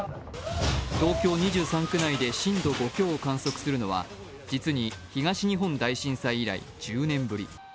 東京２３区内で震度５強を観測するのは実に東日本大震災以来１０年ぶり。